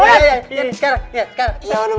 ya ya ya sekarang sekarang